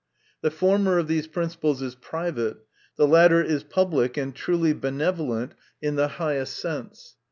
— The former of these principles is private : the latter is pub lic and truly benevolent in the highest sense.